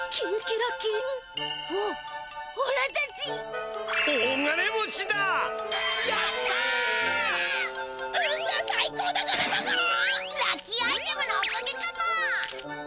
ラッキーアイテムのおかげかも。